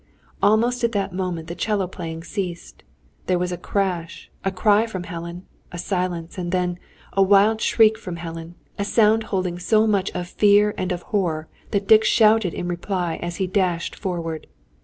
Almost at that moment the 'cello playing ceased; there was a crash, a cry from Helen, a silence, and then a wild shriek from Helen, a sound holding so much of fear and of horror, that Dick shouted in reply as he dashed forward.